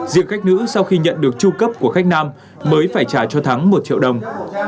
diện khách nữ sau khi nhận được tru cấp của khách nam mới phải trả cho thắng một triệu đồng